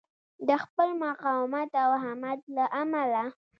د خپل مقاومت او همت له امله.